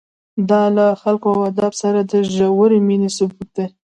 دا له خلکو او ادب سره د ژورې مینې ثبوت دی.